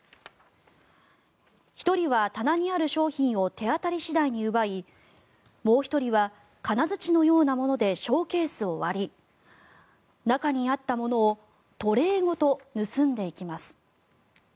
１人は、棚にある商品を手当たり次第に奪いもう１人は金づちのようなものでショーケースを割り中にあったものをトレーごと盗んでいきます。